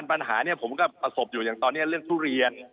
ปัญหาเนี่ยผมก็ประสบอยู่อย่างตอนนี้เรื่องทุเรียน